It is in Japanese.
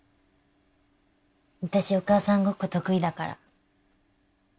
私お母さんごっこ得意だから。